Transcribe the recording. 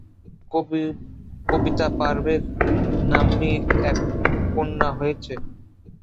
কবিতা পারভেজ নাম্নী এক কন্যা রয়েছে।